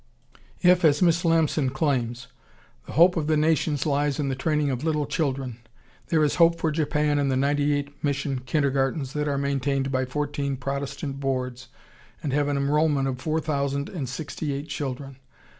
] If, as Miss Lamson claims, "the hope of the nations lies in the training of little children," there is hope for Japan in the ninety eight mission kindergartens that are maintained by fourteen Protestant Boards and have an enrollment of four thousand and sixty eight children.